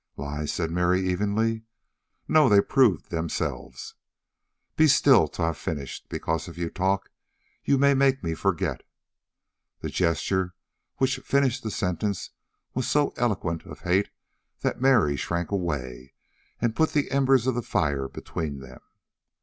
"Lies?" said Mary evenly. "No, they proved themselves." "Be still till I've finished, because if you talk you may make me forget " The gesture which finished the sentence was so eloquent of hate that Mary shrank away and put the embers of the fire between them.